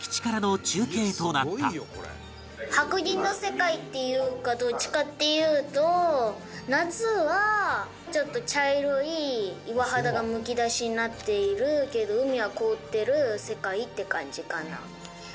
白銀の世界っていうかどっちかっていうと夏はちょっと茶色い岩肌がむき出しになっているけど海は凍ってる世界って感じかな。